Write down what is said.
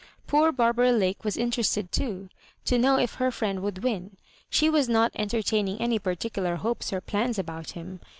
Poor Barbara Lake was interested, too, to know if her Mend would win. She was not entertaining any particular hopes or plans about him.